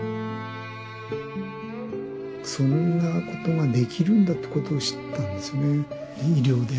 そんなことができるんだってことを知ったんですね。